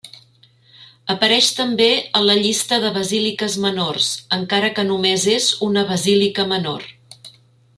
Apareix també a la llista de basíliques menors, encara que només és una basílica menor.